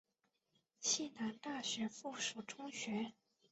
西南大学附属中学。